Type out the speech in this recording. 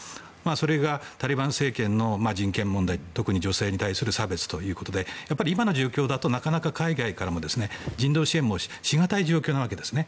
それが、タリバン政権の人権問題特に女性に対する差別ということで今の状況だとなかなか海外からも人道支援もしがたい状況なわけですね。